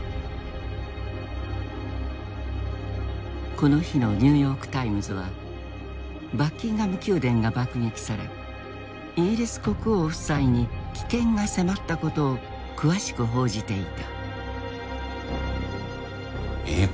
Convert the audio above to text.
この日のニューヨーク・タイムズはバッキンガム宮殿が爆撃されイギリス国王夫妻に危険が迫ったことを詳しく報じていた。